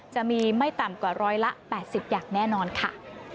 จะไม่ต่ำกว่าร้อยละ๘๐อย่างแน่นอนค่ะ